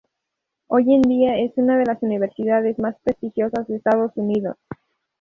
Hoy en día es una de las universidades más prestigiosas de Estados Unidos.